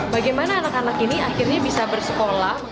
bagaimana anak anak ini akhirnya bisa bersekolah